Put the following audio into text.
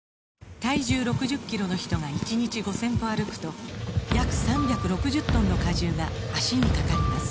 体重６０キロの人が１日５０００歩歩くと約３６０トンの荷重が脚にかかります